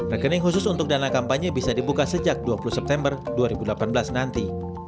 rekening khusus untuk dana kampanye bisa dibuka sejak dua puluh september dua ribu delapan belas nanti